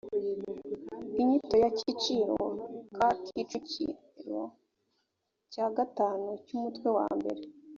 inyito y akiciro ka k icyiciro cyagatanu cy umutwe wambere